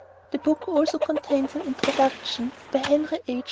The book also contains an introduction by Henry H.